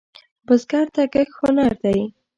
بزګر ته کښت هنر دی